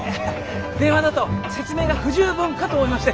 電話だと説明が不十分かと思いまして。